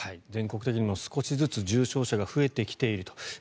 全国的にも少しずつ重症者が増えてきていると。